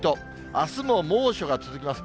あすも猛暑が続きます。